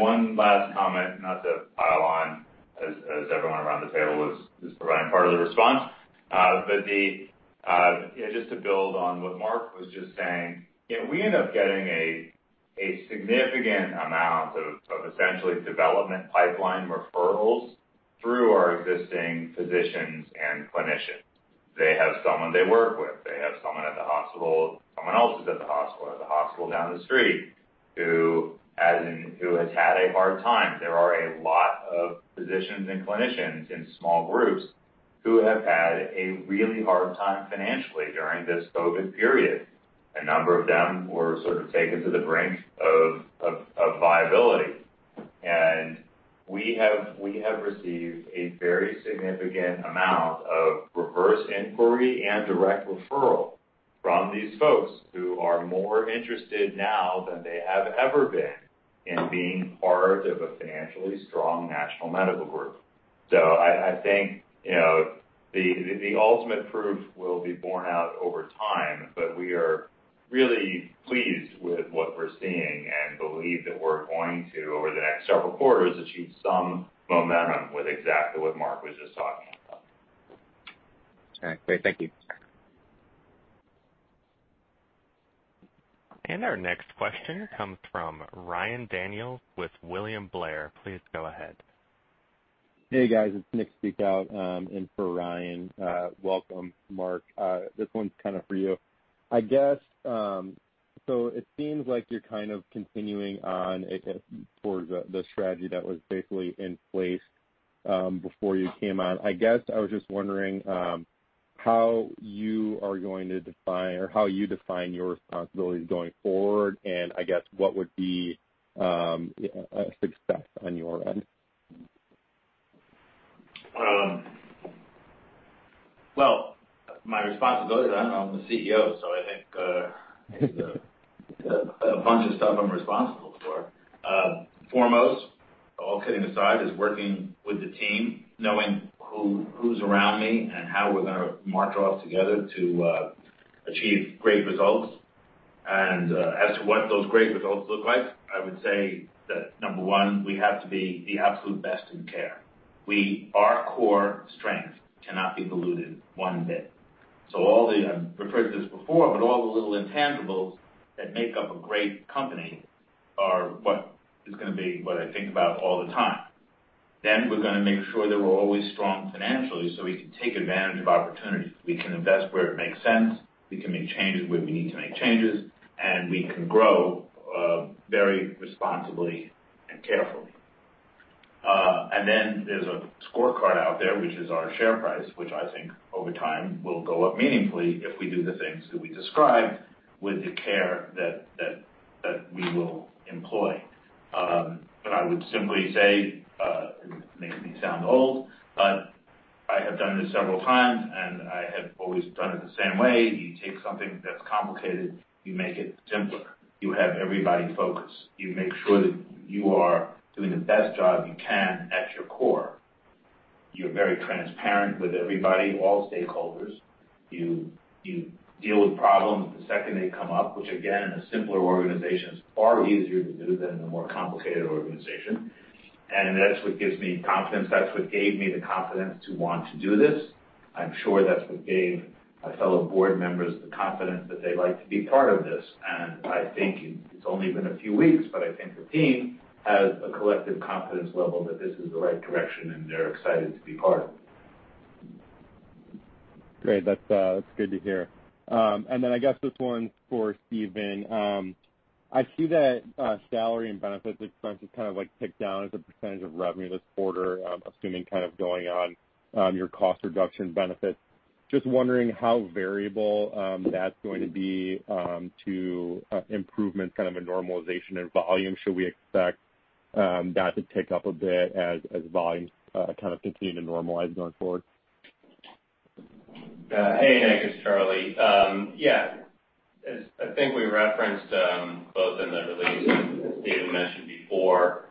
one last comment, not to pile on as everyone around the table is providing part of the response. Just to build on what Mark was just saying, we end up getting a significant amount of essentially development pipeline referrals through our existing physicians and clinicians. They have someone they work with. They have someone at the hospital, someone else is at the hospital, or the hospital down the street who has had a hard time. There are a lot of physicians and clinicians in small groups who have had a really hard time financially during this COVID period. A number of them were sort of taken to the brink of viability. We have received a very significant amount of reverse inquiry and direct referral from these folks who are more interested now than they have ever been in being part of a financially strong national medical group. I think the ultimate proof will be borne out over time, but we are really pleased with what we're seeing and believe that we're going to, over the next several quarters, achieve some momentum with exactly what Mark was just talking about. All right, great. Thank you. Our next question comes from Ryan Daniels with William Blair. Please go ahead. Hey, guys. It's Nick speaking in for Ryan. Welcome, Mark. This one's kind of for you. It seems like you're continuing on towards the strategy that was basically in place before you came on. I guess I was just wondering how you define your responsibilities going forward, I guess what would be a success on your end? My responsibilities, I'm the CEO, I think there's a bunch of stuff I'm responsible for. Foremost, all kidding aside, is working with the team, knowing who's around me and how we're going to march off together to achieve great results. As to what those great results look like, I would say that number one, we have to be the absolute best in care. Our core strength cannot be diluted one bit. I've referred to this before, all the little intangibles that make up a great company are what is going to be what I think about all the time. We're going to make sure that we're always strong financially so we can take advantage of opportunities. We can invest where it makes sense, we can make changes where we need to make changes, and we can grow very responsibly and carefully. Then there's a scorecard out there, which is our share price, which I think over time will go up meaningfully if we do the things that we described with the care that we will employ. I would simply say, it makes me sound old, but I have done this several times, and I have always done it the same way. You take something that's complicated, you make it simpler. You have everybody focused. You make sure that you are doing the best job you can at your core. You're very transparent with everybody, all stakeholders. You deal with problems the second they come up, which again, in a simpler organization, is far easier to do than in a more complicated organization. That's what gives me confidence. That's what gave me the confidence to want to do this. I'm sure that's what gave my fellow board members the confidence that they'd like to be part of this. I think it's only been a few weeks, but I think the team has a collective confidence level that this is the right direction, and they're excited to be part of it. Great. That's good to hear. Then I guess this one's for Stephen. I see that salary and benefits expense has kind of ticked down as a % of revenue this quarter, assuming kind of going on your cost reduction benefits. Just wondering how variable that's going to be to improvement, kind of a normalization in volume. Should we expect that to tick up a bit as volumes kind of continue to normalize going forward? Hey, Nick. It's Charlie. Yeah. I think we referenced both in the release, and as Stephen mentioned before,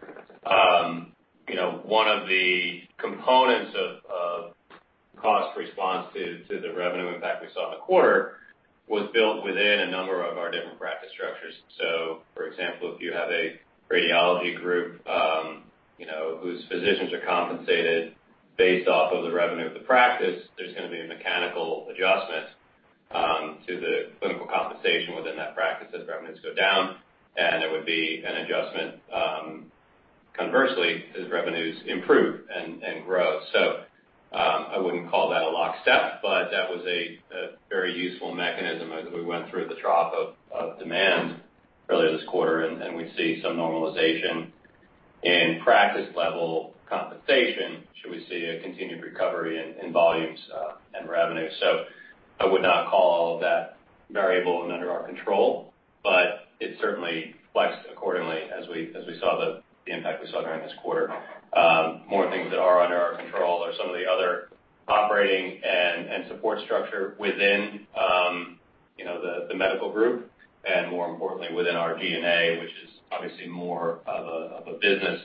one of the components of cost response to the revenue impact we saw in the quarter was built within a number of our different practice structures. For example, if you have a radiology group whose physicians are compensated based off of the revenue of the practice, there's going to be a mechanical adjustment to the clinical compensation within that practice as revenues go down, and there would be an adjustment conversely, as revenues improve and grow. I wouldn't call that a lockstep, but that was a very useful mechanism as we went through the drop of demand earlier this quarter, and we see some normalization in practice level compensation, should we see a continued recovery in volumes and revenue. I would not call that variable and under our control, but it certainly flexed accordingly as we saw the impact we saw during this quarter. More things that are under our control are some of the other operating and support structure within the medical group, and more importantly, within our G&A, which is obviously more of a business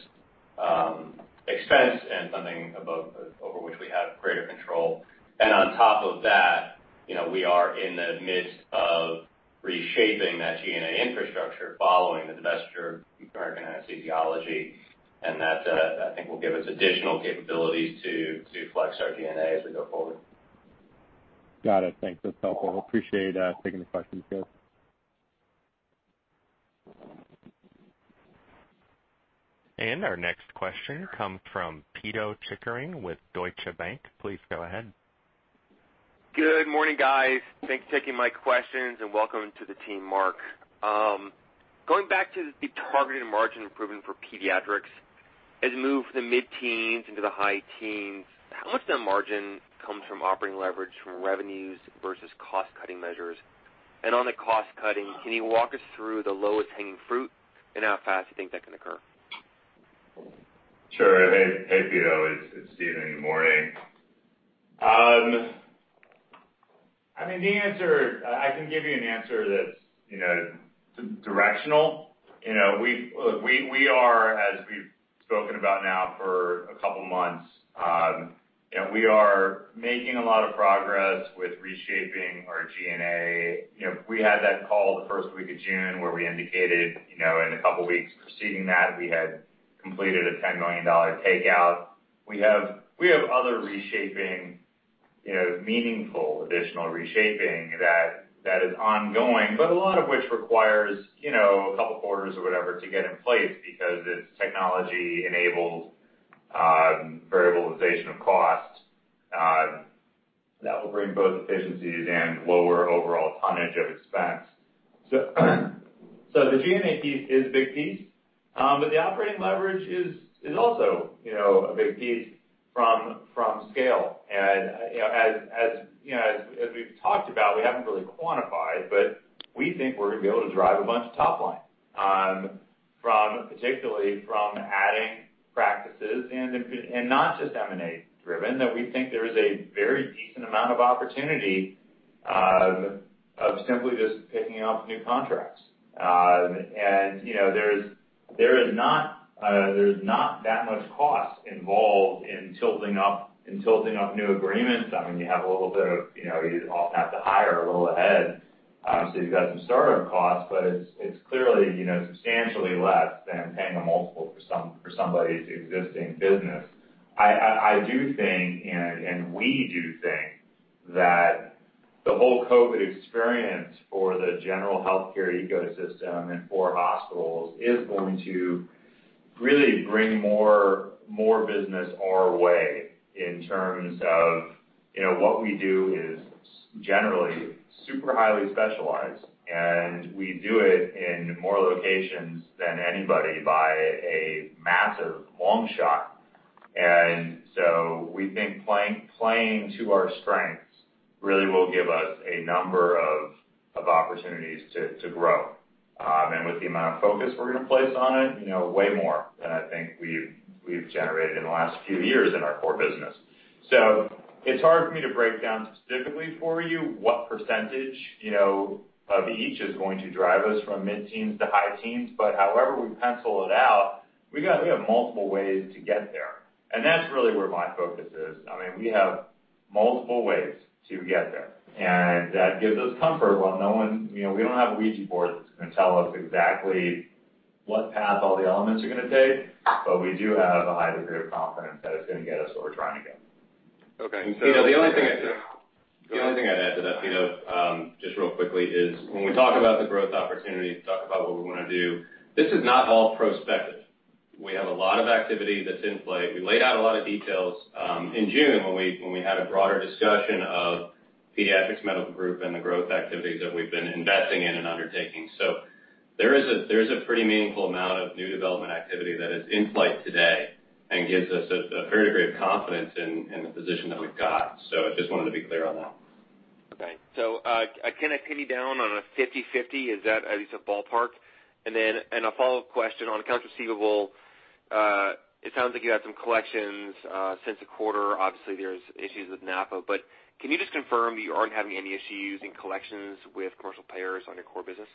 expense and something over which we have greater control. On top of that, we are in the midst of reshaping that G&A infrastructure following the divestiture of American Anesthesiology, and that, I think, will give us additional capabilities to flex our G&A as we go forward. Got it. Thanks. That's helpful. Appreciate taking the questions, guys. Our next question comes from Pito Chickering with Deutsche Bank. Please go ahead. Good morning, guys. Thanks for taking my questions. Welcome to the team, Mark. Going back to the targeted margin improvement for pediatrics, as you move from the mid-teens into the high teens, how much of the margin comes from operating leverage from revenues versus cost-cutting measures? On the cost-cutting, can you walk us through the lowest hanging fruit and how fast you think that can occur? Sure. Hey, Pito. It's Stephen. Good morning. I can give you an answer that's directional. As we've spoken about now for a couple of months, we are making a lot of progress with reshaping our G&A. We had that call the first week of June where we indicated, in a couple of weeks preceding that, we had completed a $10 million takeout. We have other meaningful additional reshaping that is ongoing, but a lot of which requires a couple of quarters or whatever to get in place because it's technology-enabled variabilization of cost. That will bring both efficiencies and lower overall tonnage of expense. The G&A piece is a big piece. The operating leverage is also a big piece from scale. As we've talked about, we haven't really quantified, but we think we're going to be able to drive a bunch of top-line, particularly from adding practices, not just M&A driven, that we think there is a very decent amount of opportunity of simply just picking up new contracts. There is not that much cost involved in tilting up new agreements. You often have to hire a little ahead, so you've got some startup costs, but it's clearly substantially less than paying a multiple for somebody's existing business. I do think, and we do think, that the whole COVID experience for the general healthcare ecosystem and for hospitals is going to really bring more business our way in terms of what we do is generally super highly specialized, and we do it in more locations than anybody by a massive long shot. We think playing to our strengths really will give us a number of opportunities to grow. With the amount of focus we're going to place on it, way more than I think we've generated in the last few years in our core business. It's hard for me to break down specifically for you what percentage of each is going to drive us from mid-teens to high teens. However we pencil it out, we have multiple ways to get there, and that's really where my focus is. We have multiple ways to get there, and that gives us comfort while we don't have a Ouija board that's going to tell us exactly what path all the elements are going to take, but we do have a high degree of confidence that it's going to get us where we're trying to go. Okay. The only thing I'd add to that, Pito, just real quickly, is when we talk about the growth opportunity, talk about what we want to do, this is not all prospective. We have a lot of activity that's in play. We laid out a lot of details in June when we had a broader discussion of Pediatrix Medical Group and the growth activities that we've been investing in and undertaking. There is a pretty meaningful amount of new development activity that is in play today and gives us a fair degree of confidence in the position that we've got. I just wanted to be clear on that. Okay. Can I pin you down on a 50/50? Is that at least a ballpark? Then a follow-up question on AR. It sounds like you had some collections since the quarter. Obviously, there's issues with NAPA. Can you just confirm that you aren't having any issues in collections with commercial payers on your core business?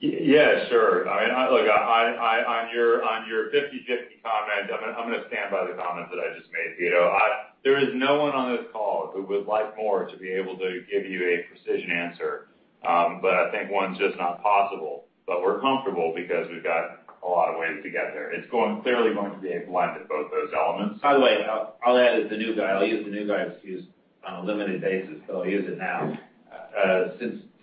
Yeah, sure. On your 50/50 comment, I'm going to stand by the comment that I just made, Pito. There is no one on this call who would like more to be able to give you a precision answer, but I think one's just not possible. We're comfortable because we've got a lot of ways to get there. It's clearly going to be a blend of both those elements. By the way, I'll use the new guy excuse on a limited basis, so I'll use it now.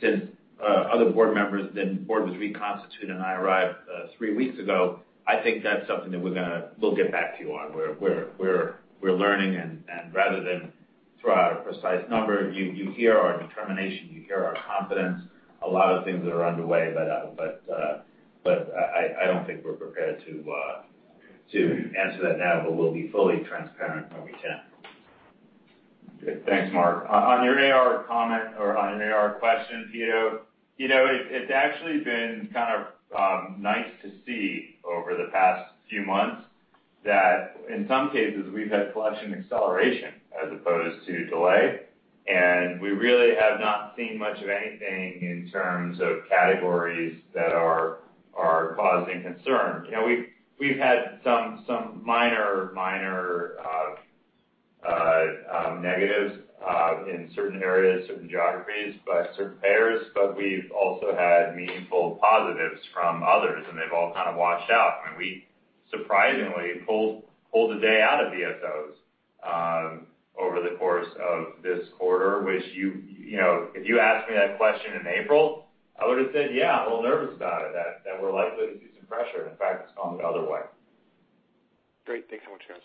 Since other board members, then the board was reconstituted, and I arrived three weeks ago, I think that's something that we'll get back to you on. We're learning, and rather than throw out a precise number, you hear our determination, you hear our confidence. A lot of things that are underway, but I don't think we're prepared to answer that now, but we'll be fully transparent when we can. Good. Thanks, Mark. On your AR comment or on your AR question, Pito, it's actually been kind of nice to see over the past few months that in some cases, we've had collection acceleration as opposed to delay, and we really have not seen much of anything in terms of categories that are causing concern. We've had some minor negatives in certain areas, certain geographies by certain payers, but we've also had meaningful positives from others, and they've all kind of washed out. We surprisingly pulled a day out of the AR over the course of this quarter, which if you asked me that question in April, I would've said, "Yeah, I'm a little nervous about it, that we're likely to see some pressure." In fact, it's gone the other way. Great. Thanks so much, guys.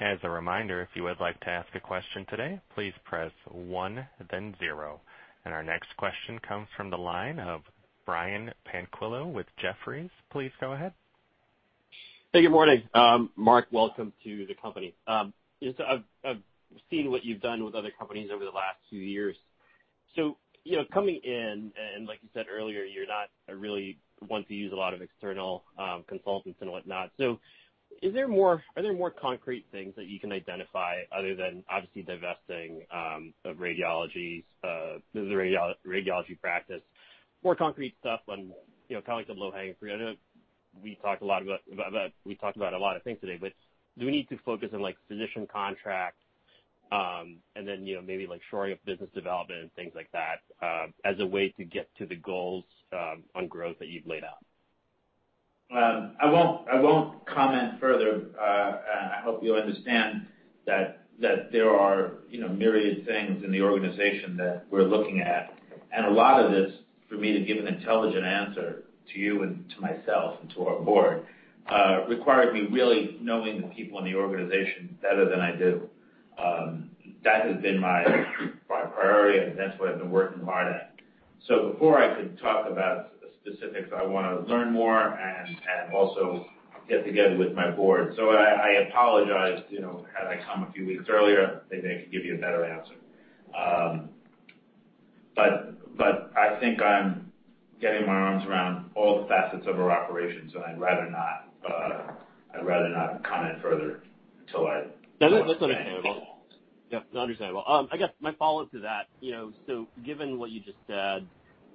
As a reminder, if you would like to ask a question today, please press one then zero. Our next question comes from the line of Brian Tanquilut with Jefferies. Please go ahead. Hey, good morning. Mark, welcome to the company. I've seen what you've done with other companies over the last few years. Coming in, and like you said earlier, you're not really one to use a lot of external consultants and whatnot. Are there more concrete things that you can identify other than obviously divesting of radiology practice, more concrete stuff on the low-hanging fruit? I know we talked about a lot of things today, but do we need to focus on physician contracts and then maybe shoring up business development and things like that, as a way to get to the goals on growth that you've laid out? I won't comment further. I hope you'll understand that there are myriad things in the organization that we're looking at. A lot of this, for me to give an intelligent answer to you and to myself and to our board, required me really knowing the people in the organization better than I do. That has been my priority, and that's what I've been working hard at. Before I could talk about specifics, I want to learn more and also get together with my board. I apologize. Had I come a few weeks earlier, maybe I could give you a better answer. I think I'm getting my arms around all the facets of our operations, and I'd rather not comment further. No, that's understandable. Yep, understandable. I guess my follow-up to that, given what you just said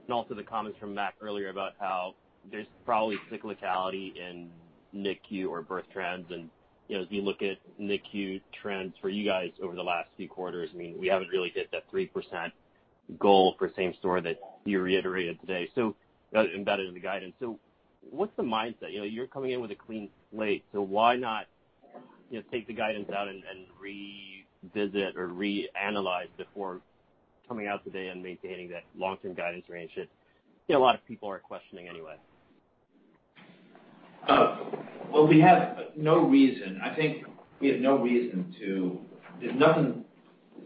and also the comments from Matt earlier about how there's probably cyclicality in NICU or birth trends, and as we look at NICU trends for you guys over the last few quarters, I mean, we haven't really hit that 3% goal for same store that you reiterated today, embedded in the guidance. What's the mindset? You're coming in with a clean slate, why not take the guidance out and revisit or reanalyze before coming out today and maintaining that long-term guidance range that a lot of people are questioning anyway? Well, we have no reason. I think we have no reason to. There's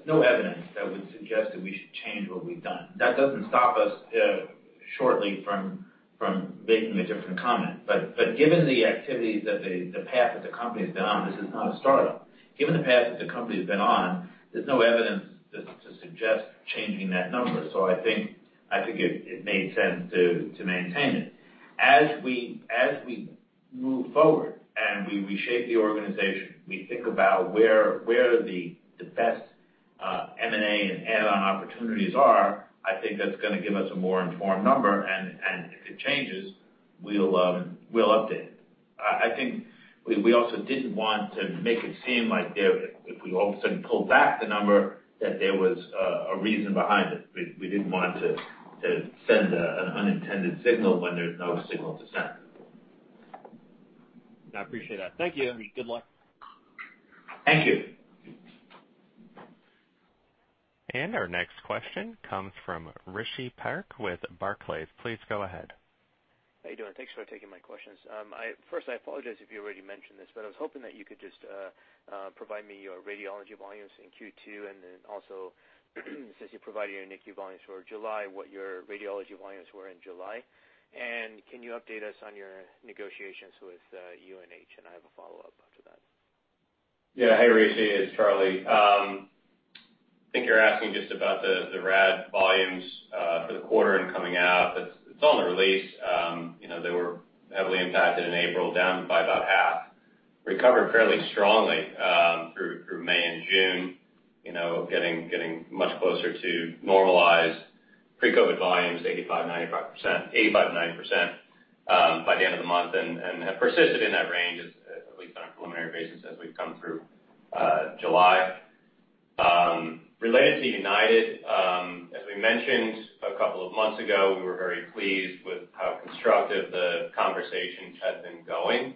no evidence that would suggest that we should change what we've done. That doesn't stop us shortly from making a different comment. Given the activities that the path that the company's been on, this is not a startup. Given the path that the company's been on, there's no evidence to suggest changing that number. I think it made sense to maintain it. As we move forward and we reshape the organization, we think about where the best M&A and add-on opportunities are. I think that's going to give us a more informed number, and if it changes, we'll update. I think we also didn't want to make it seem like if we all of a sudden pulled back the number, that there was a reason behind it. We didn't want to send an unintended signal when there's no signal to send. I appreciate that. Thank you. Good luck. Thank you. Our next question comes from Rishi Parekh with Barclays. Please go ahead. How you doing? Thanks for taking my questions. First, I apologize if you already mentioned this. I was hoping that you could just provide me your radiology volumes in Q2. Since you provided your NICU volumes for July, what your radiology volumes were in July. Can you update us on your negotiations with UNH? I have a follow-up after that. Hey, Rishi, it's Charlie. I think you're asking just about the vRad volumes for the quarter and coming out. It's all in the release. They were heavily impacted in April, down by about half. Recovered fairly strongly through May and June, getting much closer to normalized pre-COVID volumes, 85%-90% by the end of the month, and have persisted in that range, at least on a preliminary basis, as we've come through July. Related to United, as we mentioned a couple of months ago, we were very pleased with how constructive the conversations had been going,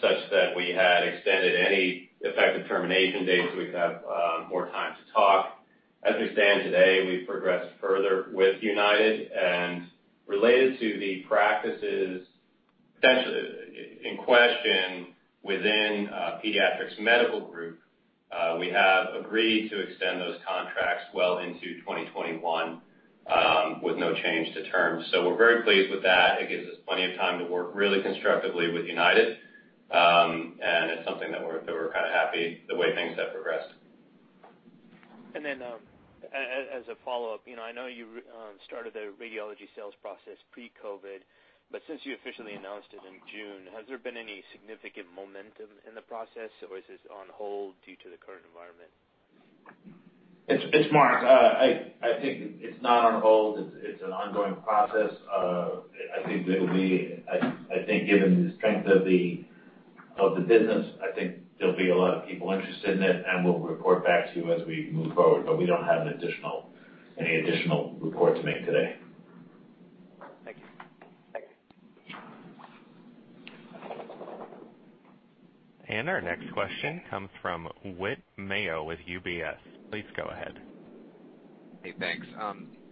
such that we had extended any effective termination dates so we could have more time to talk. As we stand today, we've progressed further with United, related to the practices essentially in question within Pediatrix Medical Group, we have agreed to extend those contracts well into 2021 with no change to terms. We're very pleased with that. It gives us plenty of time to work really constructively with United. It's something that we're happy the way things have progressed. As a follow-up, I know you started the radiology sales process pre-COVID, but since you officially announced it in June, has there been any significant momentum in the process, or is this on hold due to the current environment? It's Mark. I think it's not on hold. It's an ongoing process. I think given the strength of the business, I think there'll be a lot of people interested in it, and we'll report back to you as we move forward. We don't have any additional report to make today. Thank you. Our next question comes from Whit Mayo with UBS. Please go ahead. Hey, thanks.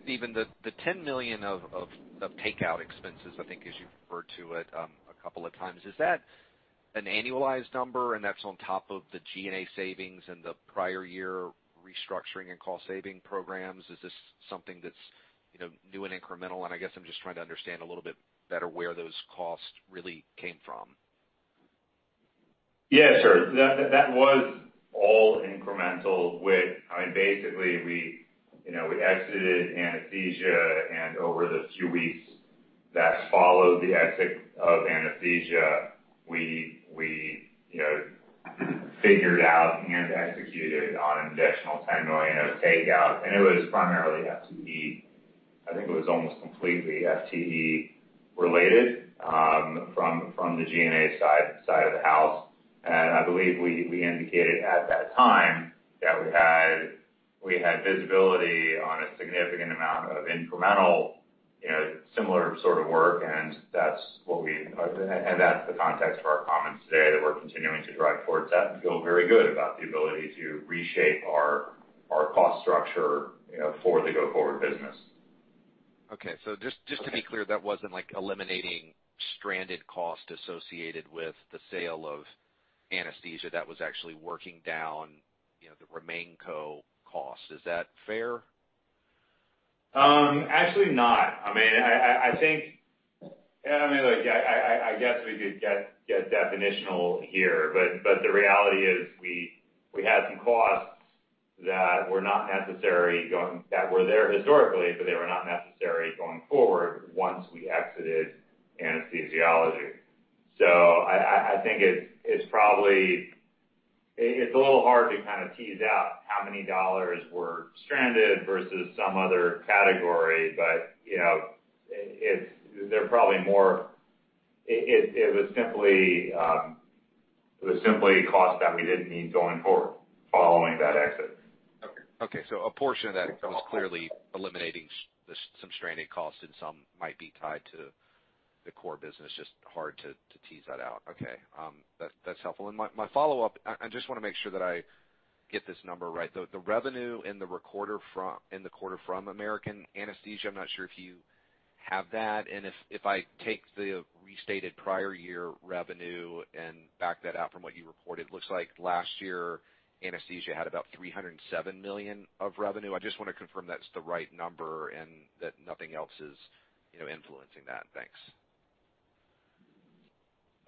Stephen, the $10 million of takeout expenses, I think as you referred to it a couple of times, is that an annualized number and that's on top of the G&A savings and the prior year restructuring and cost saving programs? Is this something that's new and incremental? I guess I'm just trying to understand a little bit better where those costs really came from. Yeah, sure. That was all incremental, Whit. Basically, we exited anesthesia and over the few weeks that followed the exit of anesthesia, we figured out and executed on an additional $10 million of takeout, and it was primarily FTE. I think it was almost completely FTE related from the G&A side of the house. I believe we indicated at that time that we had visibility on a significant amount of incremental, similar sort of work. That's the context for our comments today, that we're continuing to drive towards that and feel very good about the ability to reshape our cost structure for the go-forward business. Okay. Just to be clear, that wasn't eliminating stranded cost associated with the sale of anesthesia, that was actually working down the RemainCo cost. Is that fair? Actually, not. I guess we could get definitional here, but the reality is we had some costs that were there historically, but they were not necessary going forward once we exited anesthesiology. I think it's a little hard to tease out how many dollars were stranded versus some other category. It was simply cost that we didn't need going forward following that exit. Okay. A portion of that was clearly eliminating some stranded costs and some might be tied to the core business. Just hard to tease that out. Okay. That's helpful. My follow-up, I just want to make sure that I get this number right. The revenue in the quarter from American Anesthesia, I'm not sure if you have that, and if I take the restated prior year revenue and back that out from what you reported, looks like last year, Anesthesia had about $307 million of revenue. I just want to confirm that's the right number and that nothing else is influencing that. Thanks.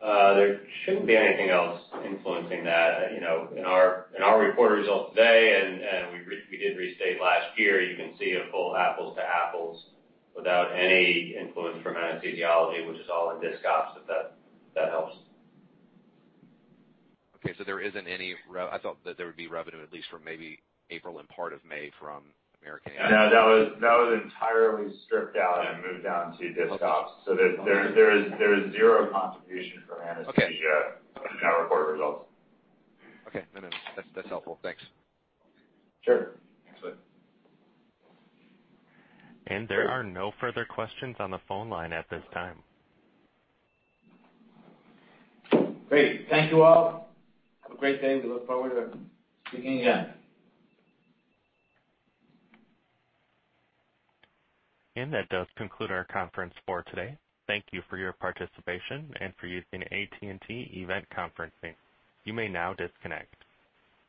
There shouldn't be anything else influencing that. In our reported results today, we did restate last year, you can see a full apples to apples without any influence from anesthesiology, which is all in discontinued operations, if that helps. Okay. I thought that there would be revenue at least from maybe April and part of May from American Anesthesiology. No, that was entirely stripped out and moved down to discontinued operations. There is zero contribution from Anesthesia- Okay in our reported results. Okay. No, that's helpful. Thanks. Sure. Excellent. There are no further questions on the phone line at this time. Great. Thank you all. Have a great day. We look forward to speaking again. That does conclude our conference for today. Thank you for your participation and for using AT&T event conferencing. You may now disconnect.